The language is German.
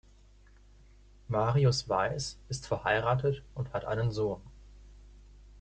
Marius Weiß ist verheiratet und hat einen Sohn.